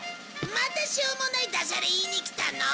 またしょうもないダジャレ言いに来たの？